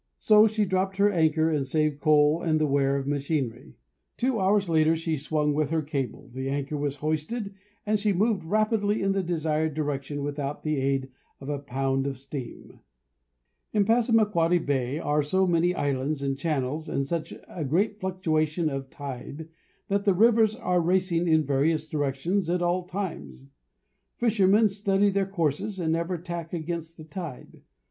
So she dropped her anchor and saved coal and the wear of machinery. Two hours later she swung with her cable, the anchor was hoisted, and she moved rapidly in the desired direction without the aid of a pound of steam. In Passamaquoddy bay are so many islands and channels and such a great fluctuation of tide that the waters are racing in various directions at all times. Fishermen study their courses and never tack against the tide.